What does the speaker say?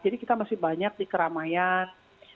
kita masih banyak di keramaian